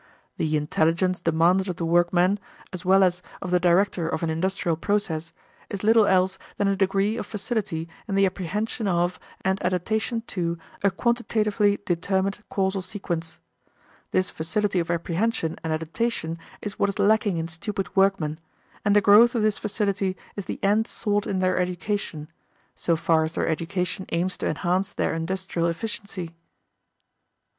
The "intelligence" demanded of the workman, as well as of the director of an industrial process, is little else than a degree of facility in the apprehension of and adaptation to a quantitatively determined causal sequence. This facility of apprehension and adaptation is what is lacking in stupid workmen, and the growth of this facility is the end sought in their education so far as their education aims to enhance their industrial efficiency.